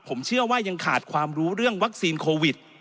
ผมเชื่อว่ายังขาดความรู้เรื่องวัคซีนโควิด